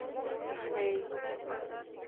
خ